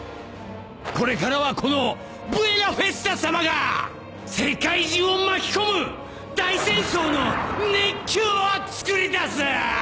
これからはこのブエナ・フェスタさまが世界中を巻き込む大戦争の熱狂をつくり出す！